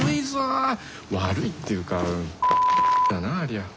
悪いっていうかだなありゃ。